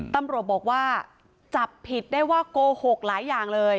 ตำรวจบอกว่าจับผิดได้ว่าโกหกหลายอย่างเลย